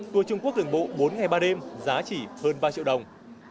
tour trung quốc đường bộ bốn ngày ba đêm giá chỉ hơn ba triệu đồng